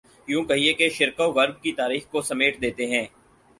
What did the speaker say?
یوں کہیے کہ شرق و غرب کی تاریخ کو سمیٹ دیتے ہیں۔